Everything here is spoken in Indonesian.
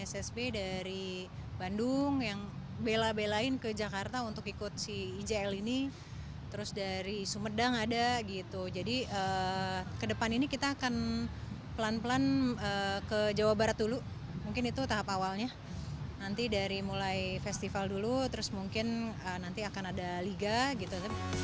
nanti dari mulai festival dulu terus mungkin nanti akan ada liga gitu